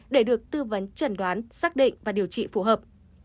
để được tư vấn trần đoán xác định và điều trị phù hợp